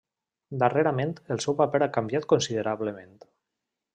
Darrerament el seu paper ha canviat considerablement.